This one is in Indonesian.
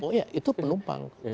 oh iya itu penumpang